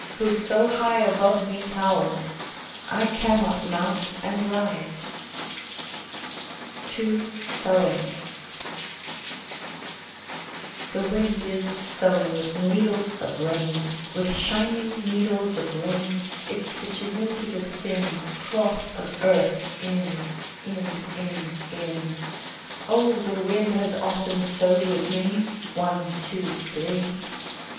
Who so high above me towers I cannot mount and ride, TWO SEWING The wind is sewing with needles of rain ; With shining needles of rain It stitches into the thin Cloth of earth — in, In, in, in. (Oh, the wind has often sewed with me! One, two, three.)